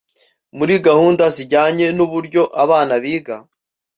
muri gahunda zijyanye n’uburyo abana biga